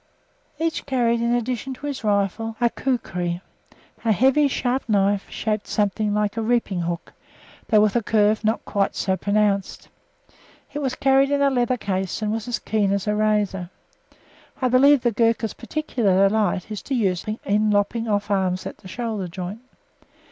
Each carried in addition to his rifle a Kukri a heavy, sharp knife, shaped something like a reaping hook, though with a curve not quite so pronounced. It was carried in a leather case, and was as keen as a razor. I believe the Ghurkas' particular delight is to use it in lopping off arms at the shoulder joint.